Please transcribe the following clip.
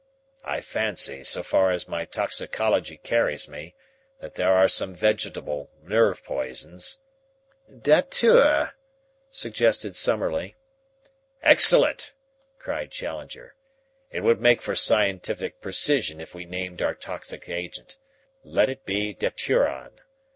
I fancy, so far as my toxicology carries me, that there are some vegetable nerve poisons " "Datura," suggested Summerlee. "Excellent!" cried Challenger. "It would make for scientific precision if we named our toxic agent. Let it be daturon.